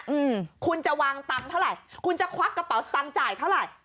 อืมคุณจะวางตังค์เท่าไหร่คุณจะควักกระเป๋าสตังค์จ่ายเท่าไหร่